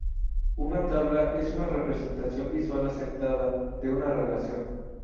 Una tabla es una representación visual aceptada de una relación.